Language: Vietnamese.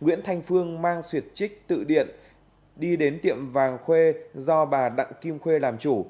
nguyễn thanh phương mang suyệt trích tự điện đi đến tiệm vàng khuê do bà đặng kim khuê làm chủ